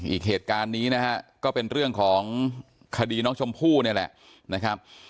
อีกเหตุการณ์นี้นะฮะก็เป็นเรื่องของคดีน้องชมพู่นี่แหละนะครับ